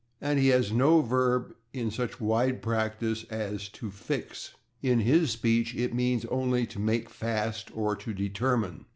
And he has no verb in such wide practise as /to fix/. In his speech it means only to make fast or to determine.